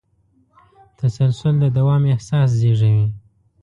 تسلسل د دوام احساس زېږوي.